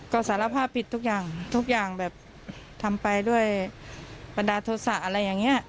ก็สารภาพผิดทุกอย่างทุกอย่างแบบทำไปด้วยบันดาลโทษะอะไรอย่างนี้